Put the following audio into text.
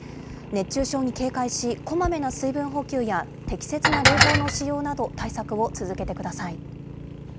熱中症に警戒し、こまめな水分補給や適切な冷房の使用など、対策を続けてください。